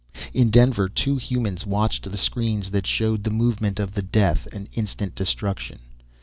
In Denver, two humans watched the screens that showed the movement of the death and instant destruction.